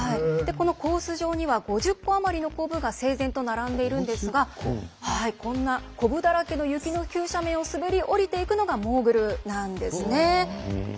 コース上には５０個余りのコブが整然と並んでいるんですがこんなコブだらけの雪の急斜面を滑り降りていくというのがモーグルなんですね。